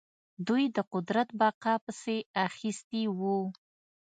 دوی د قدرت بقا پسې اخیستي وو.